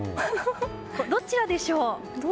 どちらでしょう？